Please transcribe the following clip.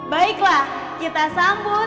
baiklah kita sambut